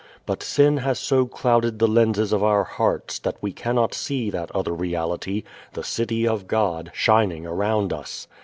But sin has so clouded the lenses of our hearts that we cannot see that other reality, the City of God, shining around us.